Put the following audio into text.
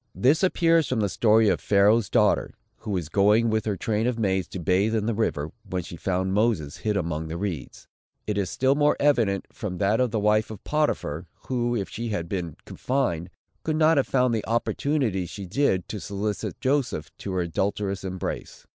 This appears from the story of Pharaoh's daughter, who was going with her train of maids to bathe in the river, when she found Moses hid among the reeds. It is still more evident, from that of the wife of Potiphar, who, if she had been confined, could not have found the opportunities she did, to solicit Joseph to her adulterous embrace.